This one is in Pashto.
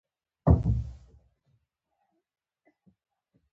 خاوند یې په غولونکې او چالاکه لهجه ورته وویل.